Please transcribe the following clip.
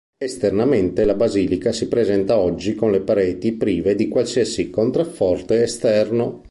Esternamente la basilica si presenta oggi con le pareti prive di qualsiasi contrafforte esterno.